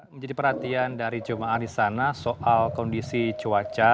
menjadi perhatian dari jemaah di sana soal kondisi cuaca